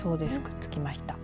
くっつきました。